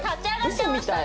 嘘みたい。